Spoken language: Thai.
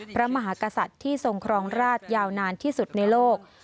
พระมหากษัตริย์ที่ทรงครองราชยาวนานที่สุดในโลก